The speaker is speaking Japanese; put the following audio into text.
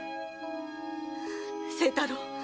清太郎。